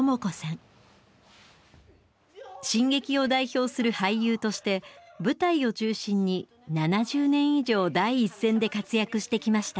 新劇を代表する俳優として舞台を中心に７０年以上第一線で活躍してきました。